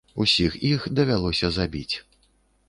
Усіх іх давялося забіць.